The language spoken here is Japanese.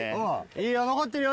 いいよ残ってるよ